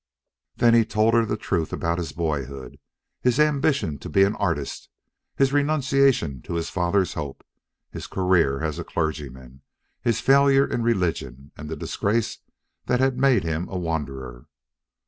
Then he told her the truth about his boyhood, his ambition to be an artist, his renunciation to his father's hope, his career as a clergyman, his failure in religion, and the disgrace that had made him a wanderer.